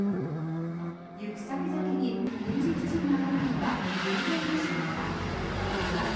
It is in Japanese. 行く先々に軍事基地があるのは偶然でしょうか。